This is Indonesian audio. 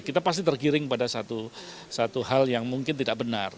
kita pasti tergiring pada satu hal yang mungkin tidak benar